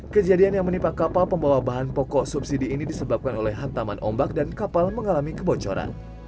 kejadian yang menimpa kapal pembawa bahan pokok subsidi ini disebabkan oleh hantaman ombak dan kapal mengalami kebocoran